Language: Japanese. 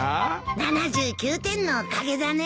７９点のおかげだね。